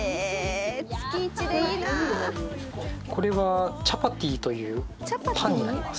これはチャパティというパンになります。